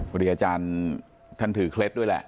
พอดีอาจารย์ท่านถือเคล็ดด้วยแหละ